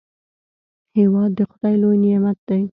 هېواد د خداي لوی نعمت دی.